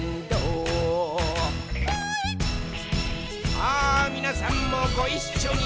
さあ、みなさんもごいっしょに！